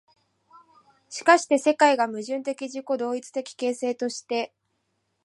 しかして世界が矛盾的自己同一的形成として、